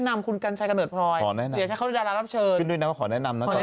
นักแสดงรับเชิญที่ดังขนาดนี้